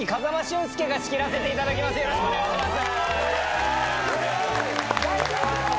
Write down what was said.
よろしくお願いします。